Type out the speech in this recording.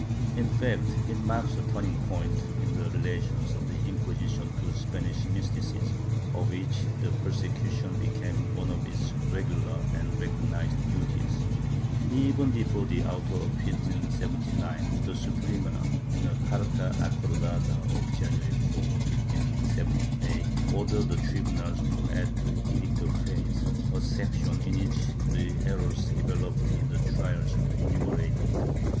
^ In fact, it marks a turning point in the relations of the Inquisi tion to Spanish mysticism, of which the persecution became one of its regular and recognized duties. Even before the auto of 1579, the Suprema, in a carta acordada of January 4, 1578, ordered the tribunals to add to the Edict of Faith a section in which the errors developed in the trials were enumerated.